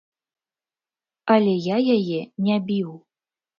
Але я яе не біў.